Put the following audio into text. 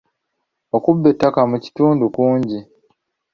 Okubba ettaka mu kitundu kungi.